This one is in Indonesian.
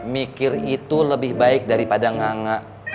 mikir itu lebih baik daripada nganga